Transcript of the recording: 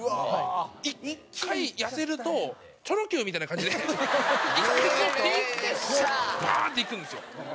１回痩せるとチョロＱみたいな感じで１回こう引いてバーン！っていくんですよ。